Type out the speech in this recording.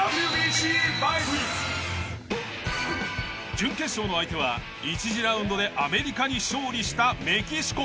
準決勝の相手は１次ラウンドでアメリカに勝利したメキシコ。